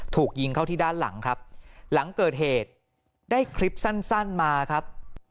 ถูกยิงเข้าที่ด้านหลังครับหลังเกิดเหตุได้คลิปสั้นมาครับ